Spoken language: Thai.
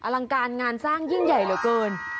ลังการงานสร้างยิ่งใหญ่เหลือเกิน